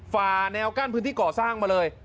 ฝ่าแนวกั้นพื้นที่ก่อสร้างมาเลย